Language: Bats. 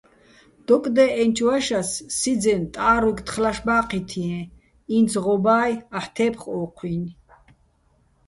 დოკდე́ჸენჩო̆ ვაშას სიძენ ტა́რუჲგო̆ თხლაშბა́ჴითიეჼ, ინც ღობა́ჲ, აჰ̦ თე́ფხ ო́ჴუჲნი̆.